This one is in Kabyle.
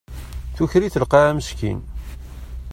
Tuker-it lqaɛa meskin.